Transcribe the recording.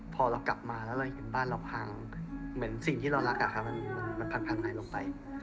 พอเรากลับมาแล้วเราเห็นบ้านเราพังเหมือนสิ่งที่เรารักมันพังหายลงไป